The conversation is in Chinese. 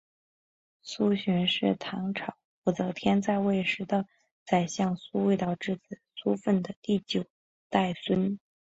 苏洵是唐朝武则天在位时的宰相苏味道之子苏份的第九代孙。